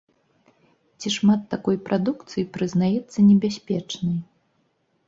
Ці шмат такой прадукцыі прызнаецца небяспечнай?